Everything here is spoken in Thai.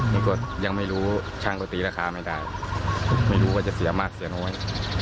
แล้วก็ยังไม่รู้ช่างก็ตีราคาไม่ได้ไม่รู้ว่าจะเสียมากเสียน้อย